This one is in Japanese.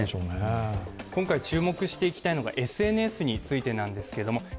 今回注目していきたいのがＳＮＳについてです。